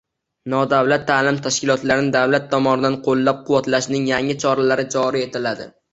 Nodavlat ta'lim tashkilotlarini davlat tomonidan qo‘llab-quvvatlashning yangi choralari joriy etiladi